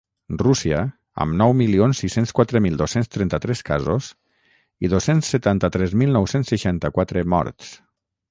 Rússia, amb nou milions sis-cents quatre mil dos-cents trenta-tres casos i dos-cents setanta-tres mil nou-cents seixanta-quatre morts.